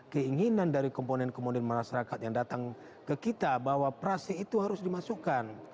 keinginan dari komponen komponen masyarakat yang datang ke kita bahwa prase itu harus dimasukkan